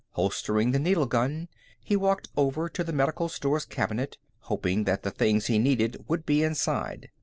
Holstering the needle gun, he walked over to the medical stores cabinet, hoping that the things he needed would be inside.